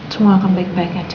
semua akan baik baik aja